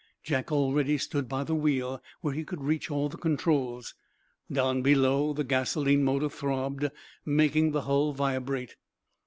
Jack already stood by the wheel, where he could reach all the controls. Down below the gasoline motor throbbed, making the hull vibrate.